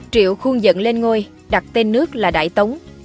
triệu khuôn dẫn lên ngôi đặt tên nước là đại tống